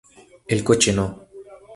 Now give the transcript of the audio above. El coche No.